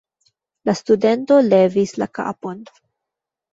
La studento levis la kapon.